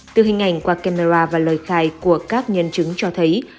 từ hình ảnh qua camera và lời khai của các nhân chứng cho thấy